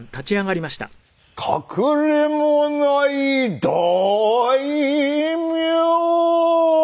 隠れもない大名。